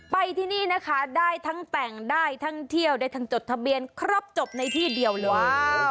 ไปที่นี่นะคะได้ทั้งแต่งได้ทั้งเที่ยวได้ทั้งจดทะเบียนครบจบในที่เดียวเลย